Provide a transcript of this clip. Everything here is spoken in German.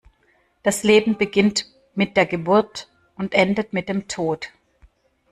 Das Leben beginnt mit der Geburt und endet mit dem Tod.